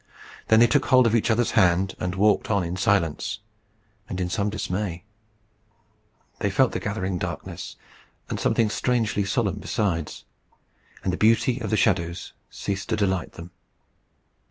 Then they took hold of each other's hand, and walked on in silence and in some dismay. They felt the gathering darkness, and something strangely solemn besides, and the beauty of the shadows ceased to delight them.